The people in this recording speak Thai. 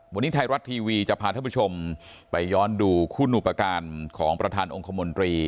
วันนี้ไทยรัฐทีวีจะพาท่านผู้ชมไปย้อนดูคุณอุปการณ์ของประธานองค์คมนตรี